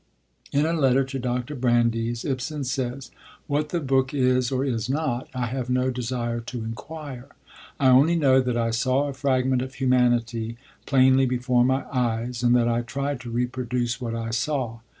In a letter to Dr. Brandes, Ibsen says: 'What the book is or is not, I have no desire to enquire. I only know that I saw a fragment of humanity plainly before my eyes, and that I tried to reproduce what I saw.'